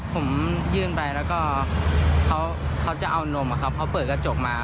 ผมยื่นไปแล้วก็เขาจะเอานมอะครับเขาเปิดกระจกมา